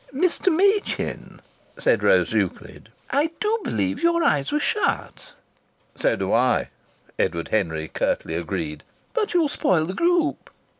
"Mr. Machin," said Rose Euclid, "I do believe your eyes were shut!" "So do I!" Edward Henry curtly agreed. "But you'll spoil the group!"